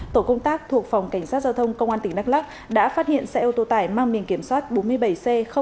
tổ công tác thuộc phòng cảnh sát giao thông công an tỉnh đắk lắc đã phát hiện xe ô tô tải mang miền kiểm soát bốn mươi bảy c tám nghìn một trăm bảy mươi tám